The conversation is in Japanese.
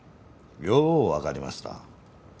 ようわかりました。